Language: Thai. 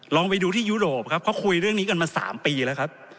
ลองไปดูที่ยุโรปครับเขาคุยเรื่องนี้กันมา๓ปีแล้วครับ